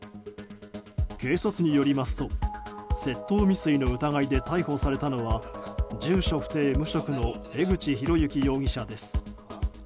警察によりますと窃盗未遂の疑いで逮捕されたのは住所不定・無職の江口浩幸容疑者です。